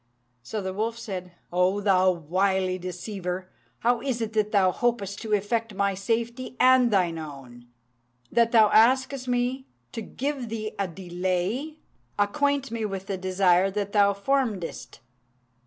So the wolf said, "O thou wily deceiver! how is it that thou hopest to effect my safety and thine own, that thou askest me to give thee a delay? Acquaint me with the desire that thou formedst."